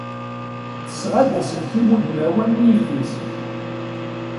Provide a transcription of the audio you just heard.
Tesɣa-d aselkim udmawan i yelli-s.